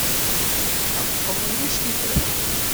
Tetḥeqqem ulac tifrat?